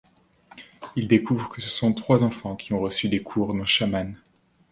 Ils découvrent que ce sont trois enfants qui ont reçu des cours d'un chaman.